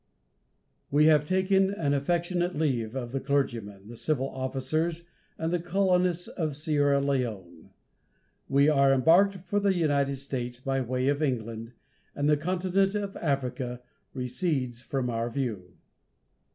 "We have taken an affectionate leave of the clergymen, the civil officers, and the colonists of Sierra Leone. We are embarked for the United States, by way of England; and the continent of Africa recedes from our view."